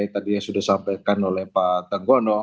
tadi sudah disampaikan oleh pak tenggono